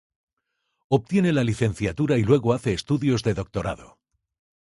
Obtiene la licenciatura y luego hace estudios de Doctorado.